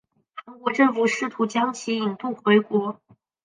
韩国政府试图将其引渡回国。